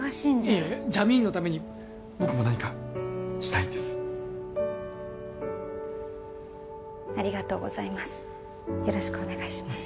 いえジャミーンのために僕も何かしたいんですありがとうございますよろしくお願いします